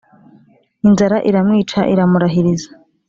Inzara iramwica iramurahiriza